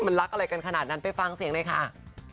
มันรักอะไรกันขนาดนั้นไปฟังเสียงหน่อยค่ะ